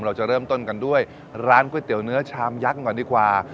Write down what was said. เราจะเริ่มต้นกันด้วยร้านก๋วยเตี๋ยวเนื้อชามยักษ์ก่อนดีกว่า